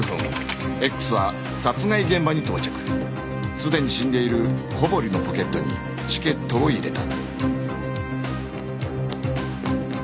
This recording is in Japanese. すでに死んでいる小堀のポケットにチケットを入れた